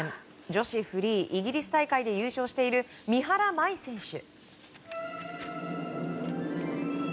女子フリー、イギリス大会で優勝している三原舞依選手。